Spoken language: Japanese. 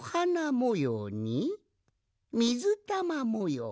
もようにみずたまもよう。